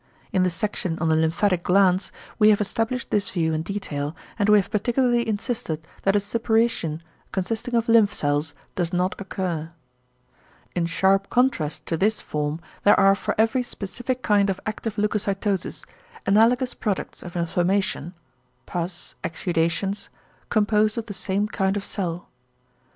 In the section on the lymphatic glands, we have established this view in detail, and we have particularly insisted that a suppuration, consisting of lymph cells, does not occur. In sharp contrast to this form there are for every specific kind of active leucocytosis, analogous products of inflammation (pus, exudations), composed of the same kind of cell.